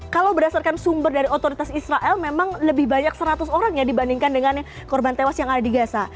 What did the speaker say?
kalau berdasarkan sumber dari otoritas israel memang lebih banyak seratus orang ya dibandingkan dengan korban tewas yang ada di gaza